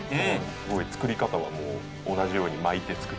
すごい作り方はもう同じように巻いて作ってるんで。